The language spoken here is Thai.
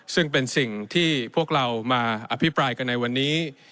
ซึ่งเป็นสิ่งที่พวกเรามาอภิปรายกันในวันนี้